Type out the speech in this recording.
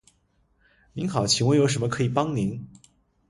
您好，请问有什么可以帮您？